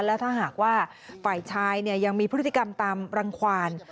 และถ้าหากว่าฝ่ายชายยังมีพฤติกรรมตามรังความ